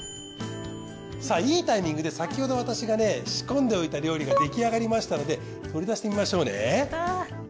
さぁいいタイミングで先ほど私がね仕込んでおいた料理が出来上がりましたので取り出してみましょうね。